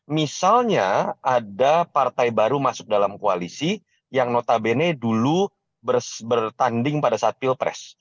misalnya ada partai baru masuk dalam koalisi yang notabene dulu bertanding pada saat pilpres